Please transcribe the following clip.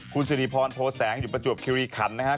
คุณสิริพรโพแสงอยู่ประจวบคิริขันนะครับ